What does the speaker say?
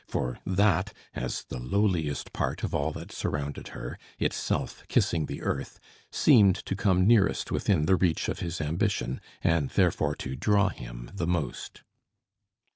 For that, as the lowliest part of all that surrounded her, itself kissing the earth, seemed to come nearest within the reach of his ambition, and therefore to draw him the most.